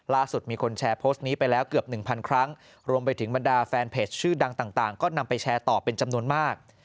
ล่าสุดมีคนแชร์โพสต์นี้ไปแล้วเกือบหนึ่งพันครั้งรวมไปถึงบรรดาแฟนเพจชื่อดังต่างก็นำไปแชร์ต่อเป็นจำนวนมาก